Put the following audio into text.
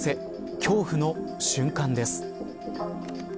恐怖の瞬間です。